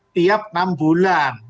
tiap enam bulan